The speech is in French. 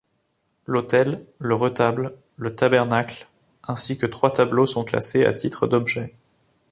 L'autel, le retable, le tabernacle ainsi que trois tableaux sont classés à titre d'objets.